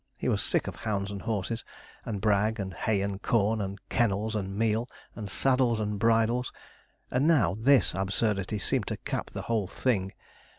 He was sick of hounds and horses, and Bragg, and hay and corn, and kennels and meal, and saddles and bridles; and now, this absurdity seemed to cap the whole thing.